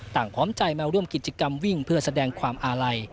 พร้อมใจมาร่วมกิจกรรมวิ่งเพื่อแสดงความอาลัย